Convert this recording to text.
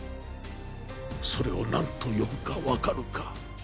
それを何と呼ぶかわかるか？